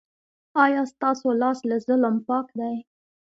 ایا ستاسو لاس له ظلم پاک دی؟